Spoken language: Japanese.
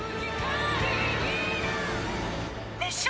熱唱！